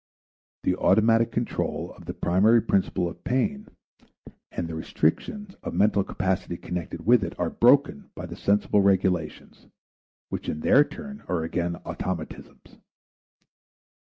The automatic control of the primary principle of pain and the restriction of mental capacity connected with it are broken by the sensible regulations, which in their turn are again automatisms.